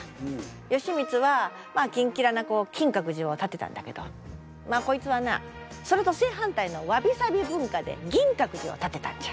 義満はキンキラな金閣寺を建てたんだけどこいつはなそれと正反対のわびさび文化で銀閣寺を建てたんじゃ。